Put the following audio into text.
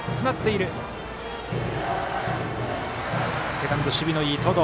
セカンド、守備のいい登藤。